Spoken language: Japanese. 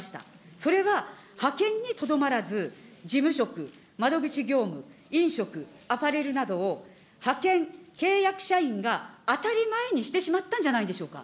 それは派遣にとどまらず、事務職、窓口業務、飲食、アパレルなどを、派遣、契約社員が当たり前にしてしまったんじゃないでしょうか。